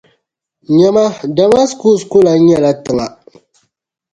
Nyama, Damaskus ku lan nyɛla tiŋa.